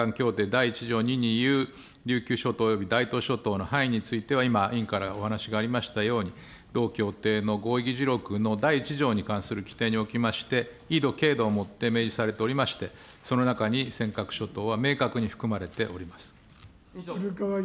第１条２にいう琉球諸島および大東諸島の範囲については、今委員からお話がありましたように、同協定の合意議事録の第１条に関する規定におきまして、いど、けいどをもって明示されておりまして、その中に尖閣諸島は明確に含まれております。